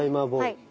はい。